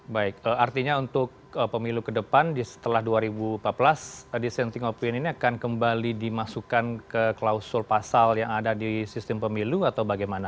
baik artinya untuk pemilu ke depan setelah dua ribu empat belas dissenting opinion ini akan kembali dimasukkan ke klausul pasal yang ada di sistem pemilu atau bagaimana